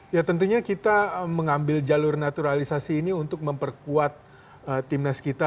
ya tentunya kita mengambil jalur naturalisasi ini untuk memperkuat timnas kita